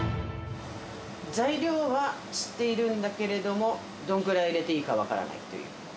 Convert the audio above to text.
材料は知っているんだけれども、どんくらい入れていいか分からないという。